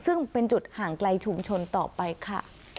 ซึ่งเป็นจุดห่างไกลชุมชนต่อไปค่ะ